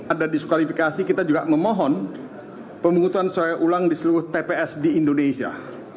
ada diskualifikasi kita juga memohon pemungutan suara ulang di seluruh tps di indonesia